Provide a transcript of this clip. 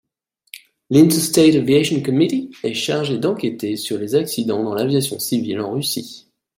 L'Interstate Aviation Committee est chargé d’enquêter sur les accidents dans l’aviation civile en Russie.